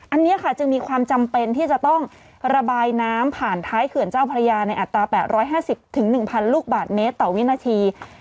อันนี้ค่ะจึงมีความจำเป็นที่จะต้องระบายน้ำผ่านท้ายเขื่อนเจ้าพระยาในอัตรา๘๕๐๑๐๐ลูกบาทเมตรต่อวินาที